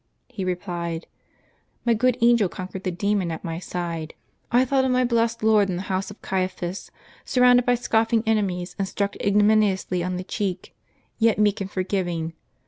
He replied, " My good angel conquered the demon at my side. I thought of my blessed Lord in the house of Caiphas, surrounded by scoffing enemies, and struck ignominiously on the cheek, yet meek and forgiving.